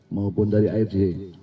maupun dari afj